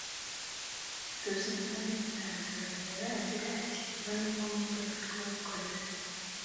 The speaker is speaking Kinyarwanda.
Ruzindana yatanze urugero agira ati “Ubundi nko mu rwego rw’abikorera